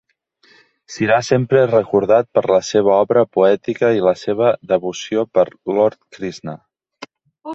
Serà sempre recordat per la seva obra poètica i la seva devoció per Lord Krishna.